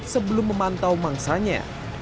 sebelum memantau mangsanya